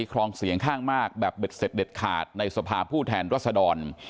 ครองเสียงข้างมากแบบเด็ดเสร็จเด็ดขาดในสภาผู้แทนรัศดร